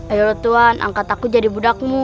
ayolah tuan angkat aku jadi budakmu